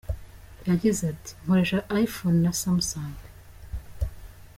Yagize ati “ Nkoresha iPhone na Samsung.